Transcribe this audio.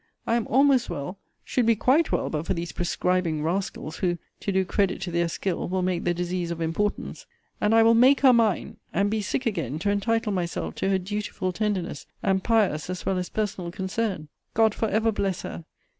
I am almost well; should be quite well but for these prescribing rascals, who, to do credit to their skill, will make the disease of importance. And I will make her mine! and be sick again, to entitle myself to her dutiful tenderness, and pious as well as personal concern! God for ever bless her!